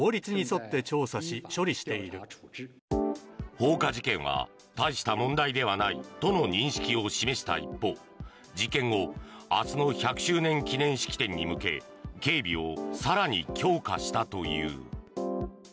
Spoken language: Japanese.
放火事件は大した問題ではないとの認識を示した一方事件後、明日の１００周年記念式典に向け警備を更に強化したという。